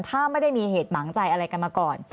ถ้าไม่ได้มีเหตุหมางใจอะไรกันมาก่อน